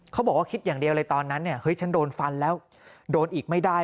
เขาบอกว่าคิดอย่างเดียวเลยตอนนั้นเนี่ยเฮ้ยฉันโดนฟันแล้วโดนอีกไม่ได้